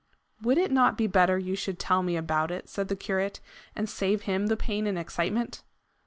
"Would it not be better you should tell me about it," said the curate, "and save him the pain and excitement?"